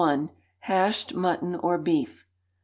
Hashed Mutton or Beef.